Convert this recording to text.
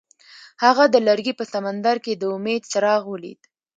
هغه د لرګی په سمندر کې د امید څراغ ولید.